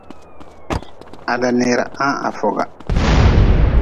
Ha daneera ha-n ha foga.